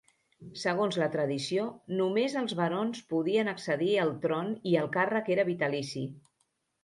Segons la tradició, només els barons podien accedir al tron i el càrrec era vitalici.